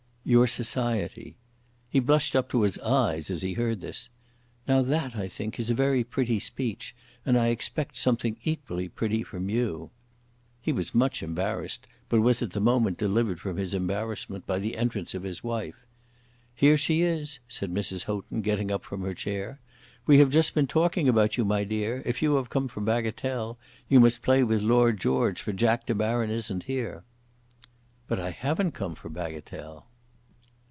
"Your society." He blushed up to his eyes as he heard this. "Now that, I think, is a very pretty speech, and I expect something equally pretty from you." He was much embarrassed, but was at the moment delivered from his embarrassment by the entrance of his wife. "Here she is," said Mrs. Houghton, getting up from her chair. "We have been just talking about you, my dear. If you have come for bagatelle, you must play with Lord George, for Jack De Baron isn't here." "But I haven't come for bagatelle."